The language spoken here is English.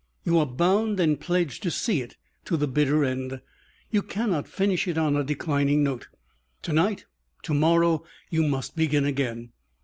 You are bound and pledged to see it to the bitter end. You cannot finish it on a declining note. To night, to morrow, you must begin again."